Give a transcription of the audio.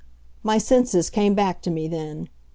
My senses came back to me then.